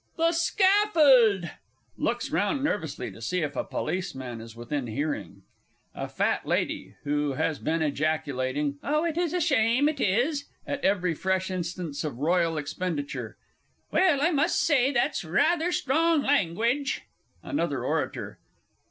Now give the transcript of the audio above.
The Scaffild! [Looks round nervously to see if a Policeman is within hearing. A FAT LADY (who has been ejaculating. "Oh, it is a shime, it is!" at every fresh instance of Royal expenditure). Well, I must say that's rather strong langwidge! ANOTHER ORATOR.